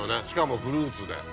しかもフルーツで。